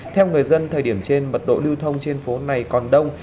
theo người dân thời điểm trên mật độ lưu thông trên phố này còn đông